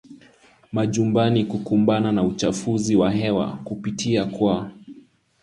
majumbani Kukumbana na uchafuzi wa hewa kupitia kwa